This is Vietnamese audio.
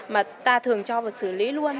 mà ta thường cho vào xử lý luôn